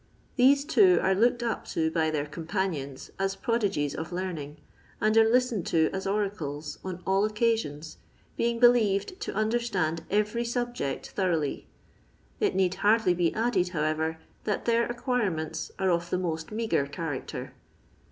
These two are looked up to by Aieir companions as pro digies of learning and are listened to as oracles, on all occasions, being believed to understand every subject thoroughly. It need hardly be added, however, that their acquirements are of the most meagre character.